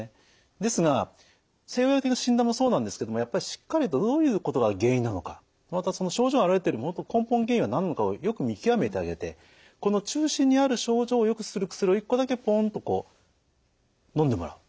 ですが西洋医学的な診断もそうなんですけどもやっぱりしっかりとどういうことが原因なのかまたその症状が現れているもと根本原因は何なのかをよく見極めてあげてこの中心にある症状をよくする薬を一個だけぽんっとこうのんでもらう。